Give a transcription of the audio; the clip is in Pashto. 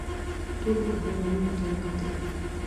ټولو په حيرانۍ ورته وکتل.